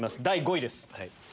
第５位です。